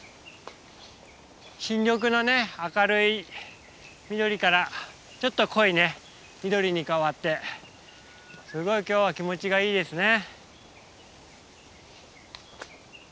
新緑の明るい緑からちょっと濃い緑に変わってすごい今日は気持ちがいいですね。